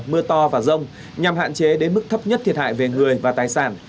mưa to và rông nhằm hạn chế đến mức thấp nhất thiệt hại về người và tài sản